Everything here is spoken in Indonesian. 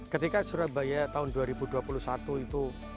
ketika surabaya tahun dua ribu dua puluh satu itu